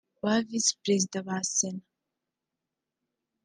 ba Visi Perezida ba Sena